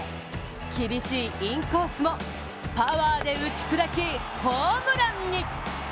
厳しいインコースもパワーで打ち砕き、ホームランに。